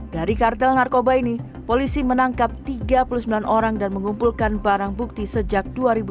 dari kartel narkoba ini polisi menangkap tiga puluh sembilan orang dan mengumpulkan barang bukti sejak dua ribu delapan belas